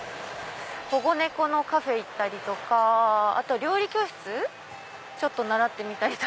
保護猫のカフェ行ったりとかあと料理教室習ってみたり。